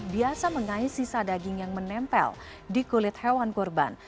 biasa mengais sisa daging yang menempel di kulit hewan kurban